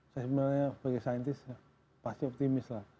saya sebenarnya sebagai saintis pasti optimis lah